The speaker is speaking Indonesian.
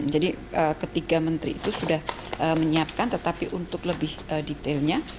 jadi ketiga menteri itu sudah menyiapkan tetapi untuk lebih detailnya